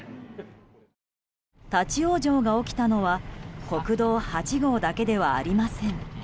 立ち往生が起きたのは国道８号だけではありません。